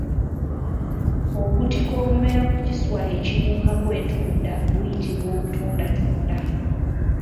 Obutiko obumera ku kiswa ekibuukako entunda buyitibwa obutundatunda.